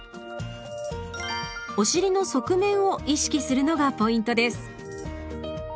お尻の側面を意識するのがポイントです。